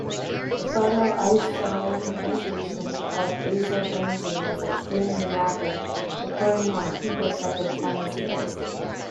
The photo-isomerization of azobenzene is extremely rapid, occurring on picosecond timescales.